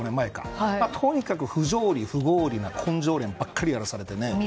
とにかく不条理、不合理の根性論ばっかりやらされて。